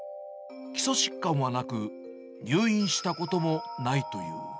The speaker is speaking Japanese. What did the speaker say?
基礎疾患はなく、入院したこともないという。